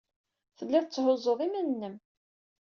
Telliḍ tetthuzzuḍ iman-nnem.